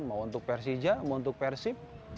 saya sudah membuat perusahaan untuk kelas kelas profesional